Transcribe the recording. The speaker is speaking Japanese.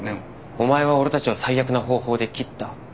お前は俺たちを最悪な方法で切った。